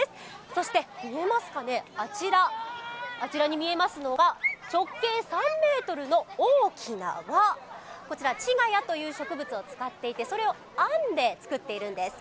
そしてあちらに見えますのが直径３ｍの大きな輪、こちらちがやという植物を使っていて、それを編んで作っているんです。